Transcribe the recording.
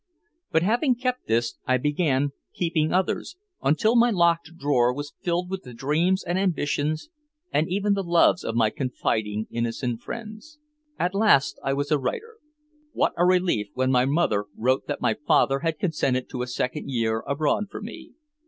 But having kept this, I began keeping others, until my locked drawer was filled with the dreams and ambitions and even the loves of my confiding, innocent friends. At last I was a writer. What a relief when my mother wrote that my father had consented to a second year abroad for me.